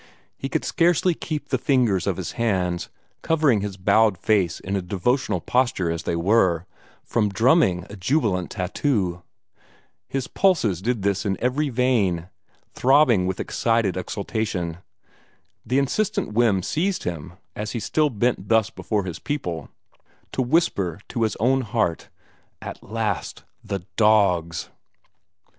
He could scarcely keep the fingers of his hands, covering his bowed face in a devotional posture as they were, from drumming a jubilant tattoo. His pulses did this in every vein, throbbing with excited exultation. The insistent whim seized him, as he still bent thus before his people, to whisper to his own heart, "At last! The dogs!"